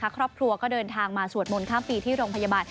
ครอบครัวก็เดินทางมาสวดมนต์ข้ามปีที่โรงพยาบาล